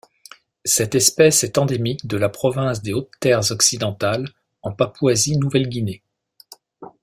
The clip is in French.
Cette espèce est endémique de la province des Hautes-Terres occidentales en Papouasie-Nouvelle-Guinée.